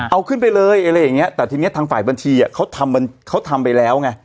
เอาขึ้นไปเลยแต่ทางฝ่ายบัญชีเขาทำไปแล้วไง